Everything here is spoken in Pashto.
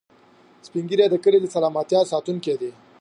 سپین ږیری د کلي د سلامتیا ساتونکي دي